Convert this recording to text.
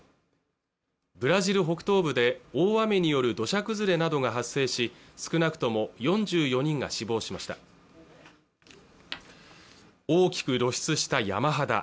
ブラジル北東部で大雨による土砂崩れなどが発生し少なくとも４４人が死亡しました大きく露出した山肌